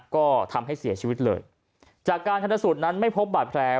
ก็ทำให้เสียชีวิตเลยจากการทันสูตรนั้นไม่พบบาดแผล